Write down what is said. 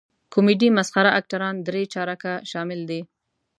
کمیډي مسخره اکټران درې چارکه شامل دي.